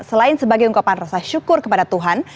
selain sebagai ungkapan rasa syukur kepada tuhan